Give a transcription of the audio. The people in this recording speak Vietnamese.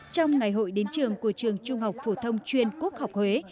trong ngày hội đến trường của trường trung học phổ thông chuyên quốc học huế